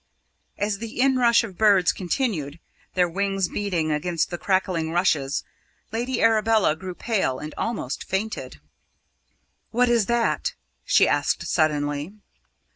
As the inrush of birds continued, their wings beating against the crackling rushes, Lady Arabella grew pale, and almost fainted. "What is that?" she asked suddenly.